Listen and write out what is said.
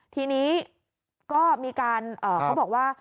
ทีนี้ก็มีการเขาบอกว่า